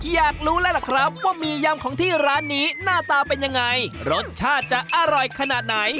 อยากรู้แล้วล่ะครับว่าหมี่ยำของที่ร้านนี้หน้าตาเป็นยังไงรสชาติจะอร่อยขนาดไหน